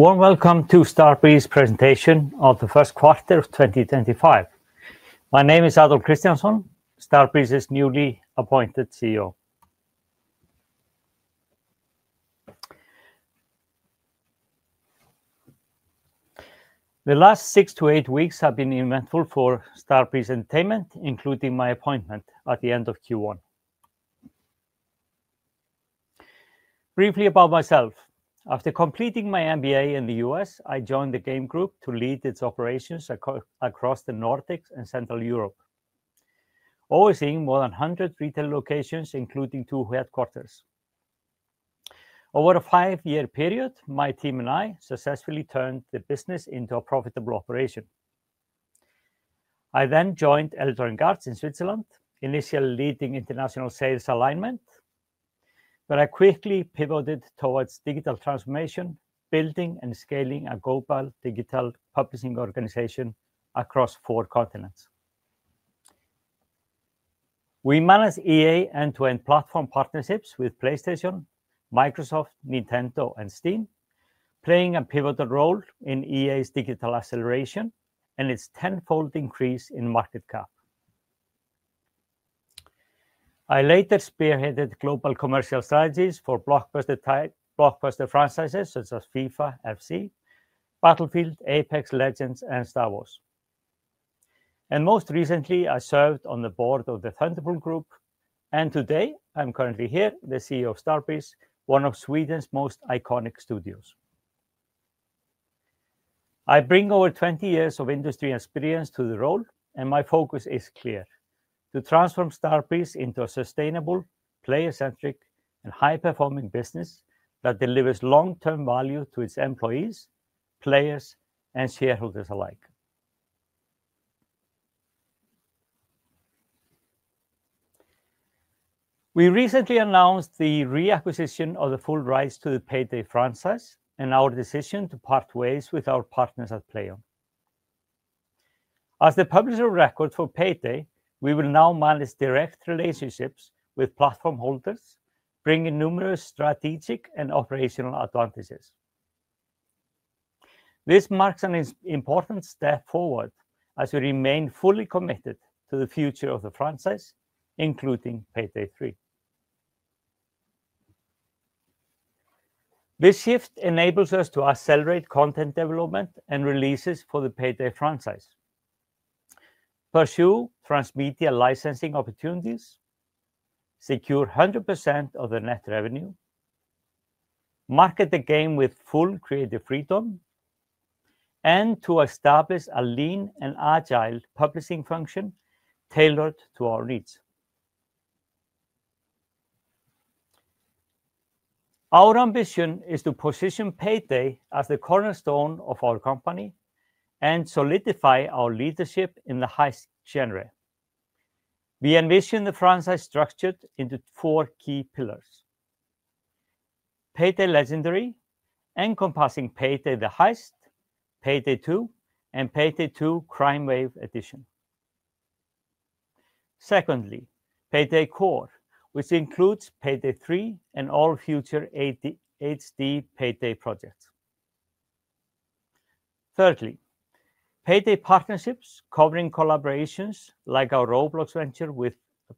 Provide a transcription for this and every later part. Warm welcome to Starbreeze presentation of the first quarter of 2025. My name is Adolf Kristjansson, Starbreeze's newly appointed CEO. The last six to eight weeks have been eventful for Starbreeze Entertainment, including my appointment at the end of Q1. Briefly about myself: after completing my MBA in the U.S., I joined the Game Group to lead its operations across the Nordics and Central Europe, overseeing more than 100 retail locations, including two headquarters. Over a five-year period, my team and I successfully turned the business into a profitable operation. I then joined Eldor & Gartz in Switzerland, initially leading international sales alignment, but I quickly pivoted towards digital transformation, building and scaling a global digital publishing organization across four continents. We manage EA end-to-end platform partnerships with PlayStation, Microsoft, Nintendo, and Steam, playing a pivotal role in EA's digital acceleration and its tenfold increase in market cap. I later spearheaded global commercial strategies for blockbuster franchises such as FIFA FC, Battlefield, Apex Legends, and Star Wars. Most recently, I served on the board of the Thunderbolt Group, and today I'm currently here, the CEO of Starbreeze, one of Sweden's most iconic studios. I bring over 20 years of industry experience to the role, and my focus is clear: to transform Starbreeze into a sustainable, player-centric, and high-performing business that delivers long-term value to its employees, players, and shareholders alike. We recently announced the reacquisition of the full rights to the Payday franchise and our decision to part ways with our partners at Plaion. As the publisher of records for Payday, we will now manage direct relationships with platform holders, bringing numerous strategic and operational advantages. This marks an important step forward as we remain fully committed to the future of the franchise, including Payday 3. This shift enables us to accelerate content development and releases for the Payday franchise, pursue transmedia licensing opportunities, secure 100% of the net revenue, market the game with full creative freedom, and to establish a lean and agile publishing function tailored to our needs. Our ambition is to position Payday as the cornerstone of our company and solidify our leadership in the heist genre. We envision the franchise structured into four key pillars: Payday Legendary, encompassing Payday: The Heist, Payday 2, and Payday 2: Crime Wave Edition. Secondly, Payday Core, which includes Payday 3 and all future HD Payday projects. Thirdly, Payday Partnerships, covering collaborations like our Roblox venture with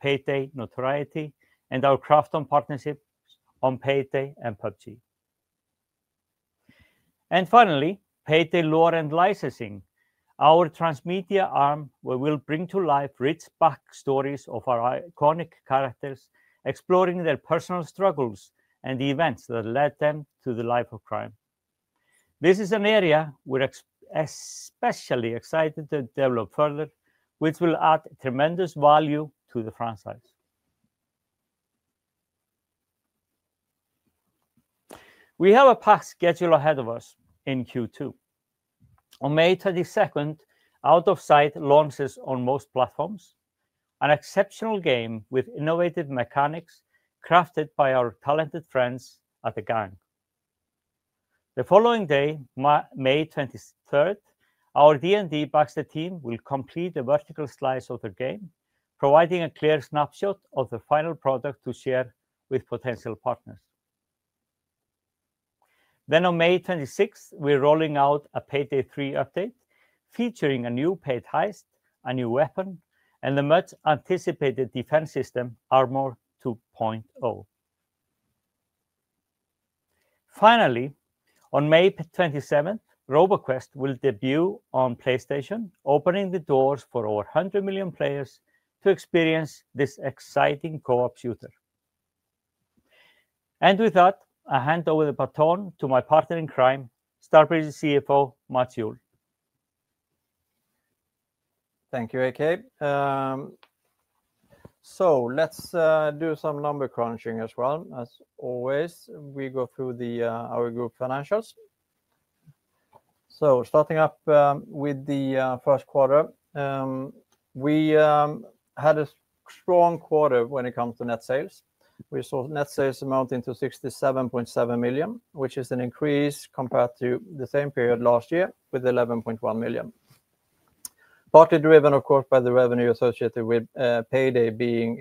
Payday Notoriety and our Krafton partnerships on Payday and PUBG. Finally, Payday Lore and Licensing, our transmedia arm where we'll bring to life rich backstories of our iconic characters, exploring their personal struggles and the events that led them to the life of crime. This is an area we're especially excited to develop further, which will add tremendous value to the franchise. We have a packed schedule ahead of us in Q2. On May 22, Out of Sight launches on most platforms, an exceptional game with innovative mechanics crafted by our talented friends at The Gang. The following day, May 23, our D&D Baxter team will complete a vertical slice of the game, providing a clear snapshot of the final product to share with potential partners. On May 26, we're rolling out a Payday 3 update featuring a new paid heist, a new weapon, and the much-anticipated defense system, Armor 2.0. Finally, on May 27, Roboquest will debut on PlayStation, opening the doors for over 100 million players to experience this exciting co-op shooter. With that, I hand over the baton to my partner in crime, Starbreeze CFO, Mats Juhl. Thank you, AK. Let's do some number crunching as well. As always, we go through our group financials. Starting up with the first quarter, we had a strong quarter when it comes to net sales. We saw net sales amounting to 67.7 million, which is an increase compared to the same period last year with 11.1 million. Partly driven, of course, by the revenue associated with Payday being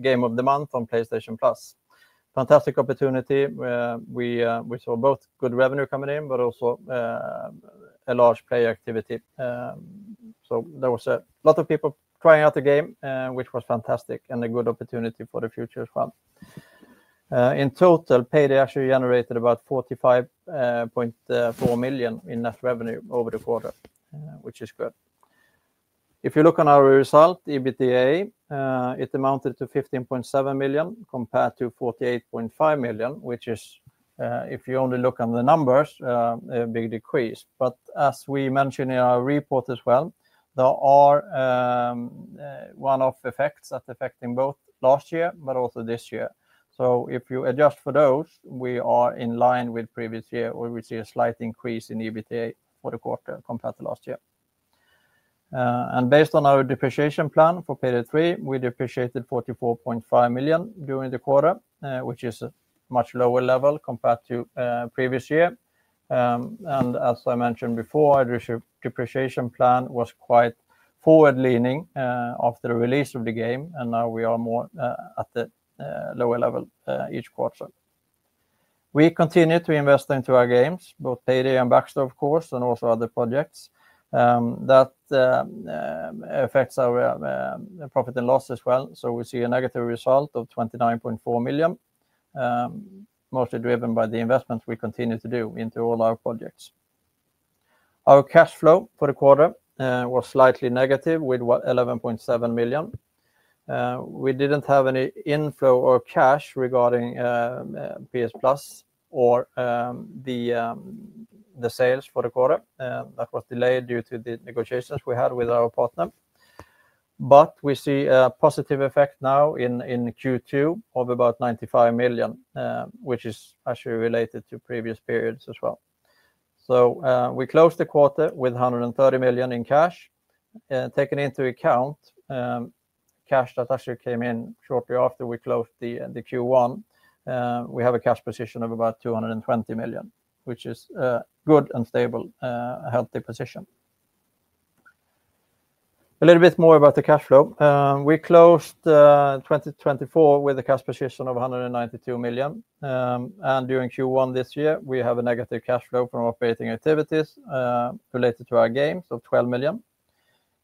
Game of the Month on PlayStation Plus. Fantastic opportunity. We saw both good revenue coming in, but also a large player activity. There was a lot of people trying out the game, which was fantastic and a good opportunity for the future as well. In total, Payday actually generated about 45.4 million in net revenue over the quarter, which is good. If you look on our result, EBITDA, it amounted to $15.7 million compared to $48.5 million, which is, if you only look on the numbers, a big decrease. As we mentioned in our report as well, there are one-off effects affecting both last year, but also this year. If you adjust for those, we are in line with previous year, where we see a slight increase in EBITDA for the quarter compared to last year. Based on our depreciation plan for Payday 3, we depreciated $44.5 million during the quarter, which is a much lower level compared to previous year. As I mentioned before, our depreciation plan was quite forward-leaning after the release of the game, and now we are more at the lower level each quarter. We continue to invest into our games, both Payday and Baxter, of course, and also other projects. That affects our profit and loss as well. We see a negative result of 29.4 million, mostly driven by the investments we continue to do into all our projects. Our cash flow for the quarter was slightly negative with 11.7 million. We did not have any inflow or cash regarding PS Plus or the sales for the quarter. That was delayed due to the negotiations we had with our partner. We see a positive effect now in Q2 of about 95 million, which is actually related to previous periods as well. We closed the quarter with 130 million in cash. Taking into account cash that actually came in shortly after we closed Q1, we have a cash position of about 220 million, which is a good and stable, healthy position. A little bit more about the cash flow. We closed 2024 with a cash position of 192 million. During Q1 this year, we have a negative cash flow from operating activities related to our games of 12 million.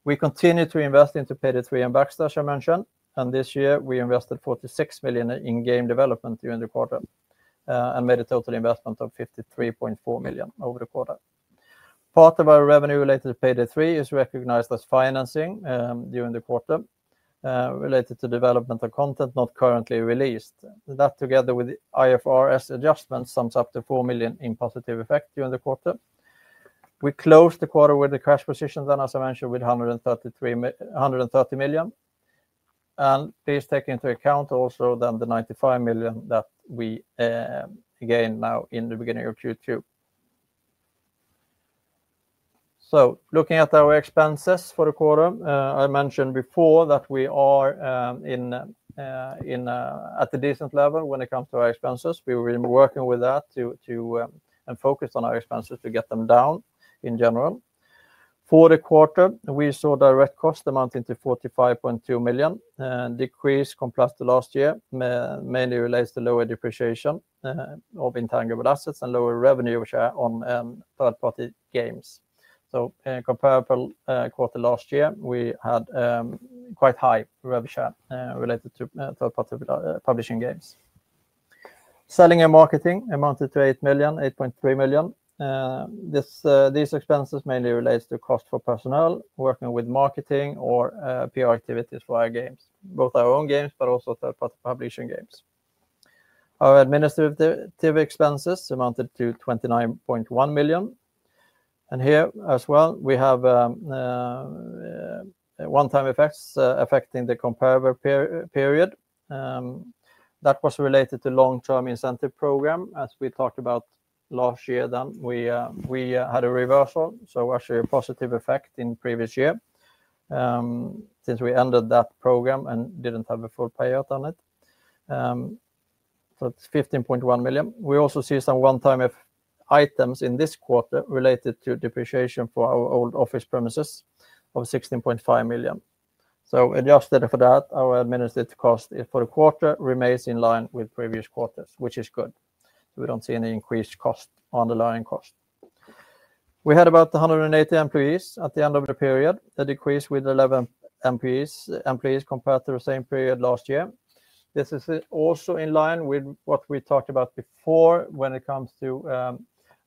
We continue to invest into Payday 3 and Baxter, as I mentioned. This year, we invested 46 million in game development during the quarter and made a total investment of 53.4 million over the quarter. Part of our revenue related to Payday 3 is recognized as financing during the quarter related to development of content not currently released. That together with IFRS adjustments sums up to 4 million in positive effect during the quarter. We closed the quarter with a cash position then, as I mentioned, with 130 million. Please take into account also the 95 million that we gained now in the beginning of Q2. Looking at our expenses for the quarter, I mentioned before that we are at a decent level when it comes to our expenses. We've been working with that and focused on our expenses to get them down in general. For the quarter, we saw direct costs amounting to 45.2 million, a decrease compared to last year, mainly related to lower depreciation of intangible assets and lower revenue share on third-party games. Compared to the quarter last year, we had quite high revenue share related to third-party publishing games. Selling and marketing amounted to 8 million, 8.3 million. These expenses mainly relate to cost for personnel, working with marketing or PR activities for our games, both our own games, but also third-party publishing games. Our administrative expenses amounted to 29.1 million. Here as well, we have one-time effects affecting the comparable period. That was related to the long-term incentive program. As we talked about last year, then we had a reversal, so actually a positive effect in the previous year since we ended that program and did not have a full payout on it. It is $15.1 million. We also see some one-time items in this quarter related to depreciation for our old office premises of $16.5 million. Adjusted for that, our administrative cost for the quarter remains in line with previous quarters, which is good. We do not see any increased cost or underlying cost. We had about 180 employees at the end of the period. That decreased by 11 employees compared to the same period last year. This is also in line with what we talked about before when it comes to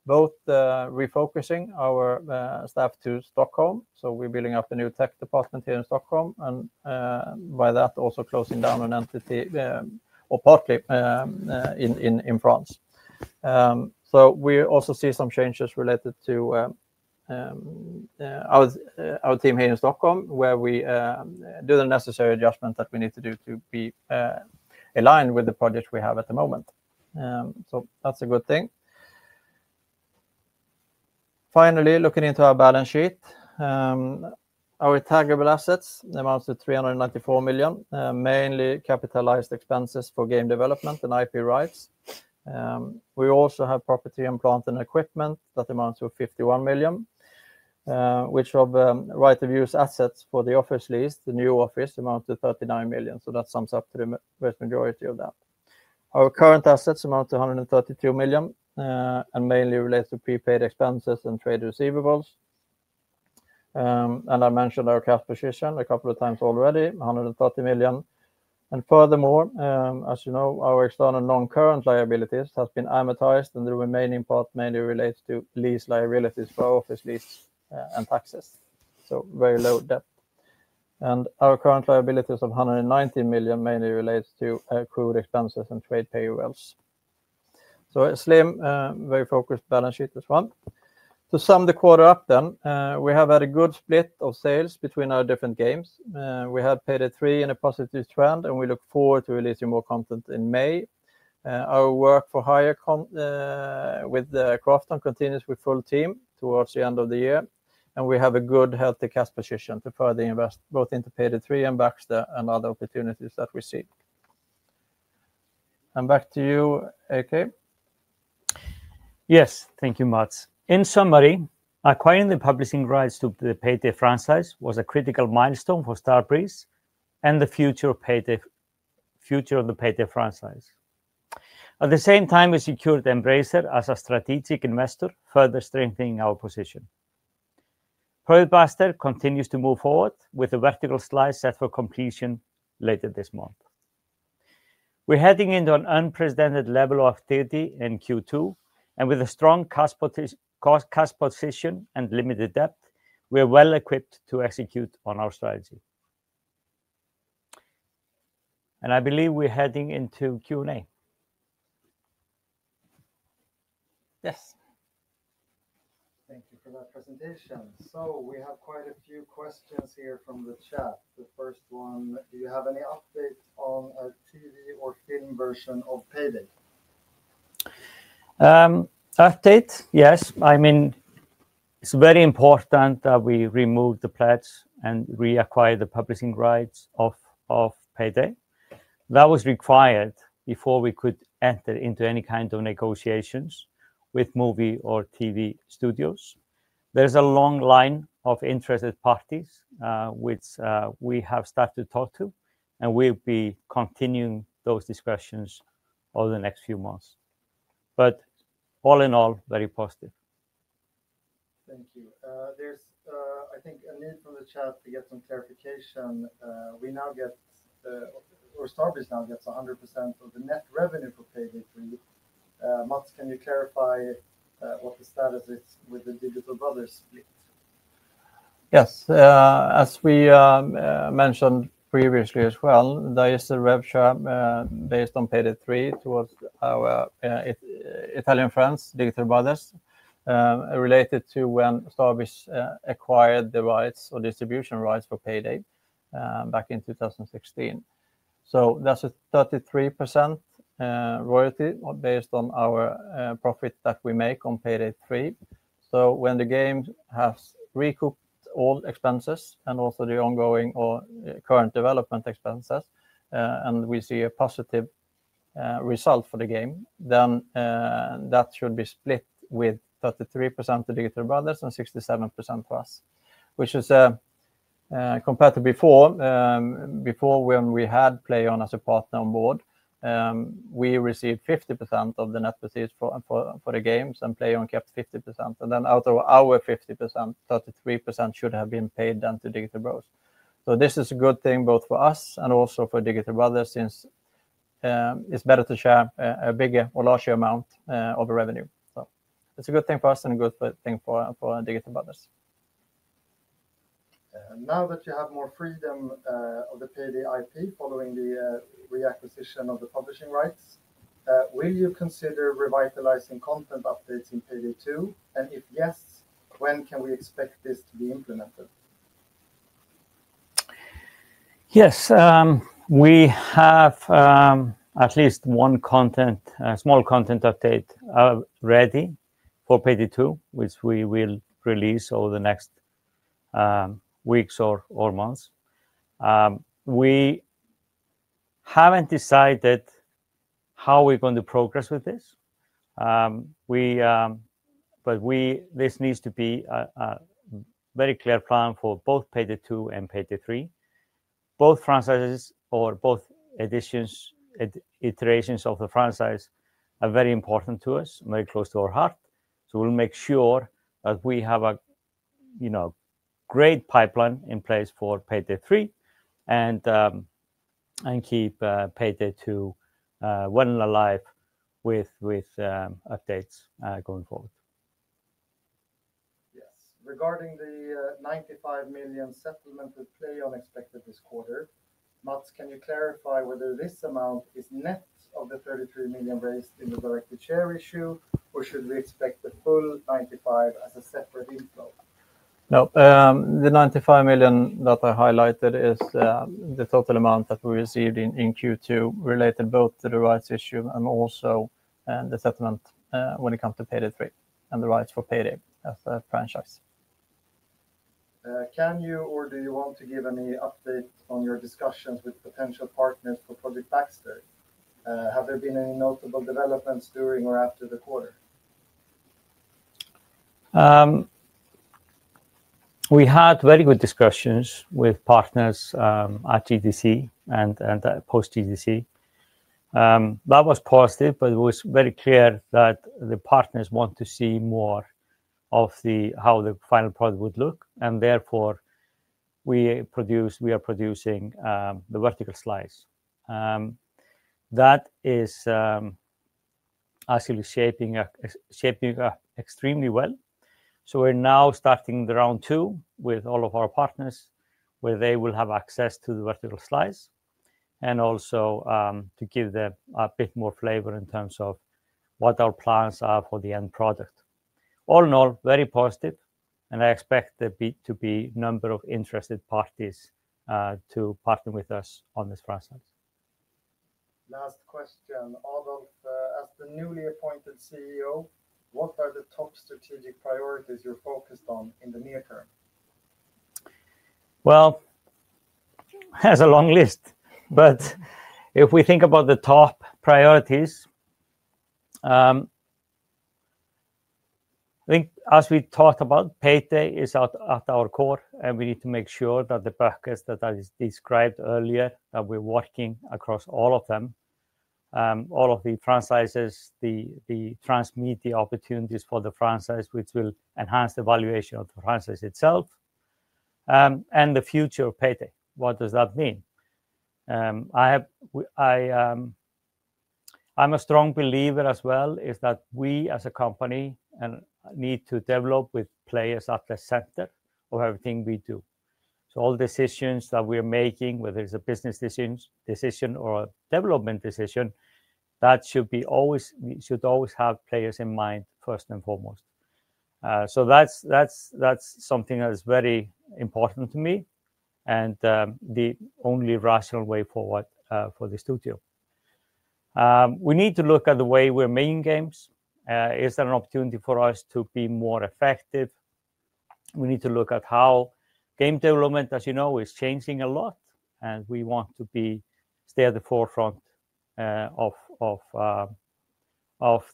both refocusing our staff to Stockholm. We're building up a new tech department here in Stockholm and by that also closing down an entity or partly in France. We also see some changes related to our team here in Stockholm, where we do the necessary adjustments that we need to do to be aligned with the project we have at the moment. That's a good thing. Finally, looking into our balance sheet, our intangible assets amount to 394 million, mainly capitalized expenses for game development and IP rights. We also have property and plant and equipment that amounts to 51 million, of which right-of-use assets for the office lease, the new office, amounts to 39 million. That sums up to the vast majority of that. Our current assets amount to 132 million and mainly relate to prepaid expenses and trade receivables. I mentioned our cash position a couple of times already, $130 million. Furthermore, as you know, our external non-current liabilities have been amortized, and the remaining part mainly relates to lease liabilities for office lease and taxes. Very low debt. Our current liabilities of $190 million mainly relate to accrued expenses and trade payables. A slim, very focused balance sheet as well. To sum the quarter up, we have had a good split of sales between our different games. We had Payday 3 in a positive trend, and we look forward to releasing more content in May. Our work for hire with Krafton continues with full team towards the end of the year. We have a good, healthy cash position to further invest both into Payday 3 and Project Baxter and other opportunities that we see. Back to you, AK. Yes, thank you, Mats. In summary, acquiring the publishing rights to the Payday franchise was a critical milestone for Starbreeze and the future of the Payday franchise. At the same time, we secured Embracer as a strategic investor, further strengthening our position. Project Baxter continues to move forward with a vertical slice set for completion later this month. We are heading into an unprecedented level of activity in Q2, and with a strong cash position and limited debt, we are well equipped to execute on our strategy. I believe we are heading into Q&A. Yes. Thank you for that presentation. We have quite a few questions here from the chat. The first one, do you have any updates on a TV or film version of Payday? Update, yes. I mean, it's very important that we remove the pledge and reacquire the publishing rights of Payday. That was required before we could enter into any kind of negotiations with movie or TV studios. There's a long line of interested parties which we have started to talk to, and we will be continuing those discussions over the next few months. All in all, very positive. Thank you. There is, I think, a need from the chat to get some clarification. We now get, or Starbreeze now gets, 100% of the net revenue for Payday 3. Mats, can you clarify what the status is with the Digital Bros split? Yes. As we mentioned previously as well, there is a rev share based on Payday 3 towards our Italian friends, Digital Bros, related to when Starbreeze acquired the rights or distribution rights for Payday back in 2016. That is a 33% royalty based on our profit that we make on Payday 3. When the game has recouped all expenses and also the ongoing or current development expenses, and we see a positive result for the game, that should be split with 33% to Digital Bros and 67% to us, which is compared to before, before when we had Plaion as a partner on board, we received 50% of the net receipts for the games and Plaion kept 50%. Out of our 50%, 33% should have been paid then to Digital Bros. This is a good thing both for us and also for Digital Bros since it's better to share a bigger or larger amount of revenue. It's a good thing for us and a good thing for Digital Bros. Now that you have more freedom of the Payday IP following the reacquisition of the publishing rights, will you consider revitalizing content updates in Payday 2? If yes, when can we expect this to be implemented? Yes. We have at least one small content update ready for Payday 2, which we will release over the next weeks or months. We haven't decided how we're going to progress with this. This needs to be a very clear plan for both Payday 2 and Payday 3. Both franchises or both editions, iterations of the franchise are very important to us, very close to our heart. We'll make sure that we have a great pipeline in place for Payday 3 and keep Payday 2 well and alive with updates going forward. Yes. Regarding the $95 million settlement with Plaion expected this quarter, Mats, can you clarify whether this amount is net of the $33 million raised in the director's chair issue, or should we expect the full $95 million as a separate inflow? No. The $95 million that I highlighted is the total amount that we received in Q2 related both to the rights issue and also the settlement when it comes to Payday 3 and the rights for Payday as a franchise. Can you or do you want to give any updates on your discussions with potential partners for Project Baxter? Have there been any notable developments during or after the quarter? We had very good discussions with partners at GDC and post-GDC. That was positive, but it was very clear that the partners want to see more of how the final product would look. Therefore, we are producing the vertical slice. That is actually shaping extremely well. We are now starting round two with all of our partners where they will have access to the vertical slice and also to give them a bit more flavor in terms of what our plans are for the end product. All in all, very positive. I expect there to be a number of interested parties to partner with us on this franchise. Last question, Adolf. As the newly appointed CEO, what are the top strategic priorities you're focused on in the near term? That is a long list. If we think about the top priorities, I think as we talked about, Payday is at our core, and we need to make sure that the package that I described earlier, that we are working across all of them, all of the franchises, transmit the opportunities for the franchise, which will enhance the valuation of the franchise itself, and the future of Payday. What does that mean? I am a strong believer as well that we as a company need to develop with players at the center of everything we do. All decisions that we are making, whether it is a business decision or a development decision, should always have players in mind first and foremost. That is something that is very important to me and the only rational way forward for the studio. We need to look at the way we are making games. Is there an opportunity for us to be more effective? We need to look at how game development, as you know, is changing a lot, and we want to stay at the forefront of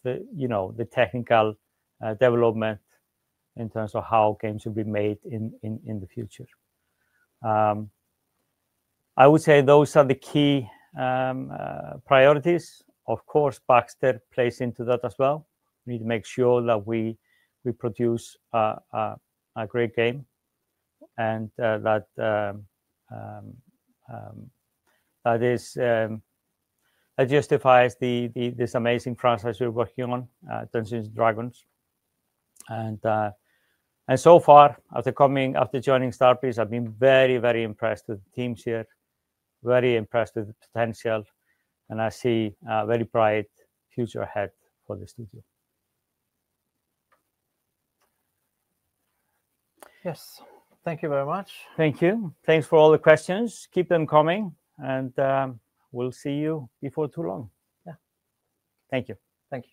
the technical development in terms of how games should be made in the future. I would say those are the key priorities. Of course, Project Baxter plays into that as well. We need to make sure that we produce a great game and that justifies this amazing franchise we're working on, Dungeons & Dragons. So far, after joining Starbreeze, I've been very, very impressed with the teams here, very impressed with the potential, and I see a very bright future ahead for the studio. Yes. Thank you very much. Thank you. Thanks for all the questions. Keep them coming, and we'll see you before too long. Yeah. Thank you. Thank you.